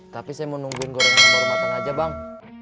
tapi saya mau nungguin gorengan baru matang aja bang